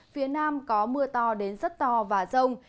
phía nam có mưa to đến rất to và rông